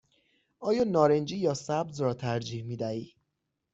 آیا نارنجی یا سبز را ترجیح می دهی؟